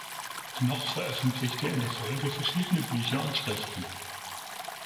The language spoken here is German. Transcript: Knoch veröffentlichte in der Folge verschiedene Bücher und Schriften.